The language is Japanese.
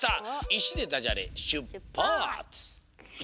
「いし」でダジャレしゅっぱつ！